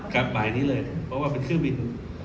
บ่ายนี้เลยเพราะว่าเป็นเครื่องบิน